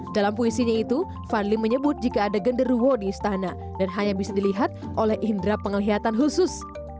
dalam puisinya itu fadli menyebut jika ada genderuwo di istana dan hanya bisa dilihat oleh indra pengelihatan khusus